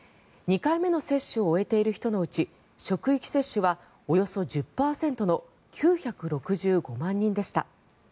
２回目の接種を終えている人のうち職域接種はおよそ１０％の９６５万人でした。